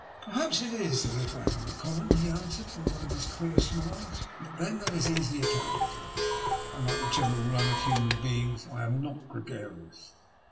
Perhaps it is a little out of the common," he answered, with one of his queer smiles ;but then that is easily accounted for. Unlike the general run of human beings, I am not gregarious.